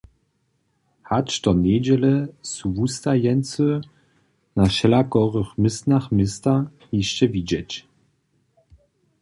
Hač do njedźele su wustajeńcy na wšelakorych městnach města hišće widźeć.